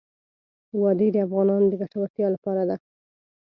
وادي د افغانانو د ګټورتیا برخه ده.